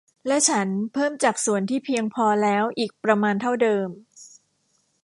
และฉันเพิ่มจากส่วนที่เพียงพอแล้วอีกประมาณเท่าเดิม